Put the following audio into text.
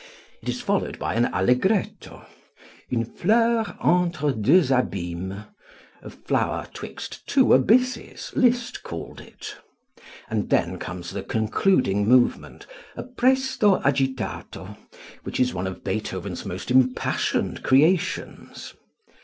It is followed by an Allegretto, "une fleur entre deux abîmes" (a flower 'twixt two abysses) Liszt called it; and then comes the concluding movement, a Presto agitato, which is one of Beethoven's most impassioned creations.